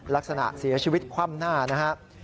ลักษณะเสียชีวิตคว่ำหน้านะครับ